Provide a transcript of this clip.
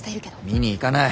見に行かない。